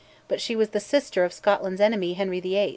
but she was the sister of Scotland's enemy, Henry VIII.